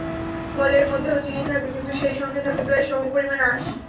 ফলের মধ্যেও চিনি থাকে, কিন্তু সেই সঙ্গে থাকে প্রায় সমপরিমাণ আঁশ।